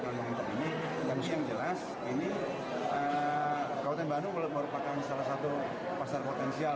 tapi dengan posisi yang terkena yang jelas ini kabupaten bandung merupakan salah satu pasar potensial